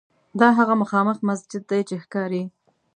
دا هغه مخامخ مسجد دی چې ښکاري.